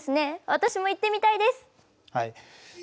私も行ってみたいです！